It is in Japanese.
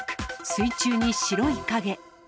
水中に白い影。